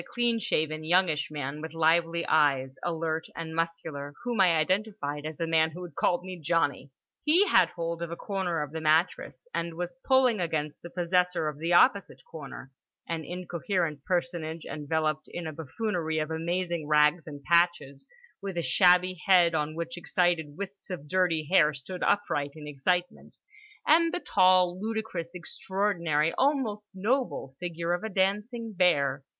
One was a clean shaven youngish man with lively eyes, alert and muscular, whom I identified as the man who had called me "Johnny." He had hold of a corner of the mattress and was pulling against the possessor of the opposite corner: an incoherent personage enveloped in a buffoonery of amazing rags and patches, with a shabby head on which excited wisps of dirty hair stood upright in excitement, and the tall, ludicrous, extraordinary, almost noble figure of a dancing bear.